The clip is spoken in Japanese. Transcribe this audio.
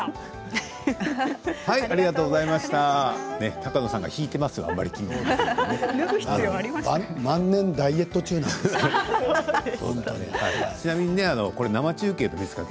高野さんが引いていますよあまり筋肉を見せると。